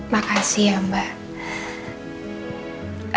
makasih ya mbak